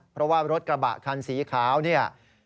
เพราะว่ารถกระบะคันสีขาวเนี่ย